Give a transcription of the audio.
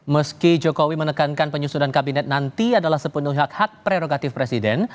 meski jokowi menekankan penyusunan kabinet nanti adalah sepenuh hak hak prerogatif presiden